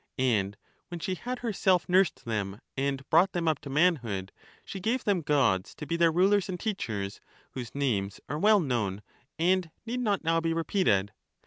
And when she had herself nursed The Gods them and brought them up to manhood, she gave them Gods JT6 I to be their rulers and teachers, whose names are well known, primitive and need not now be repeated.